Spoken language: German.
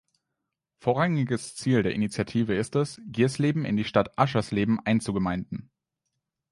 Vorrangiges Ziel der Initiative ist es, Giersleben in die Stadt Aschersleben einzugemeinden.